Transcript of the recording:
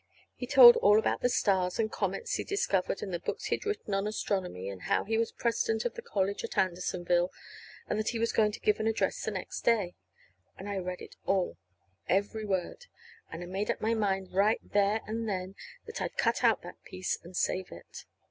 It told all about the stars and comets he'd discovered, and the books he'd written on astronomy, and how he was president of the college at Andersonville, and that he was going to give an address the next day. And I read it all every word. And I made up my mind right there and then that I'd cut out that piece and save it.